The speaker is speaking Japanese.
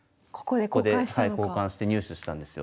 ここで交換して入手したんですよ。